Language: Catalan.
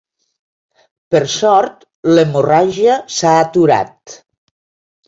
Per sort, l'hemorràgia s'ha aturat.